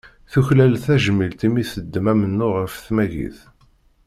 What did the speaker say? Tuklal tajmilt i mi teddem amennuɣ ɣef tmagit.